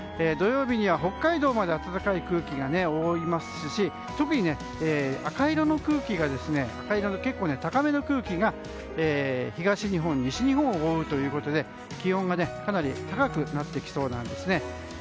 土曜日は北海道まで暖かい空気が覆いますし特に赤色の結構高めの空気が東日本、西日本を覆うということで気温がかなり高くなってきそうです。